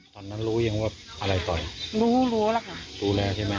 ตอนนั้นรู้ยังว่าอะไรต่อยรู้รู้แล้วค่ะรู้แล้วใช่ไหม